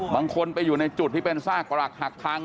บางคนไปอยู่ในจุดที่เป็นซากประหลักหักพัง